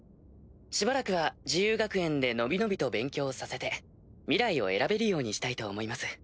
しばらくは自由学園で伸び伸びと勉強させて未来を選べるようにしたいと思います。